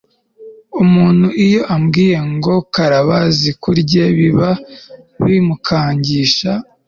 umuntu iyo bamubwiye ngo karaba zikurye, baba bamukangisha